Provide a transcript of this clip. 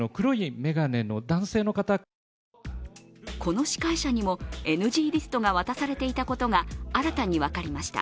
この司会者にも、ＮＧリストが渡されていたことが新たに分かりました。